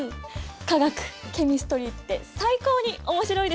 化学ケミストリーって最高に面白いでしょ！